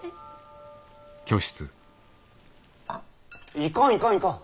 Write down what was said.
いかんいかんいかん！